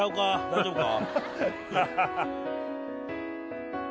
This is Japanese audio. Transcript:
大丈夫か？